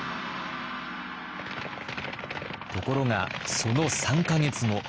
ところがその３か月後。